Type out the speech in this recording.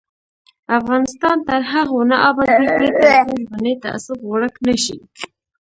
افغانستان تر هغو نه ابادیږي، ترڅو ژبنی تعصب ورک نشي.